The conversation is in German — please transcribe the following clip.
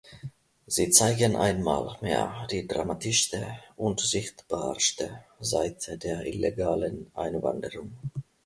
Sie zeigen einmal mehr die dramatischste und sichtbarste Seite der illegalen Einwanderung.